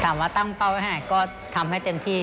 ถามว่าตั้งเป้าไว้ไหนก็ทำให้เต็มที่